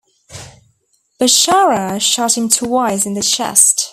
Bechara shot him twice in the chest.